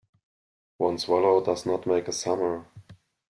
One swallow does not make a summer.